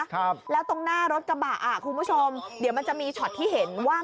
ครอบครัวเดียวกันหรือครอบครัวอื่นเอาดีจำผิดเปล่า